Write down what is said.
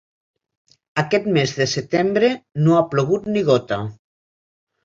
Aquest mes de setembre no ha plogut ni gota.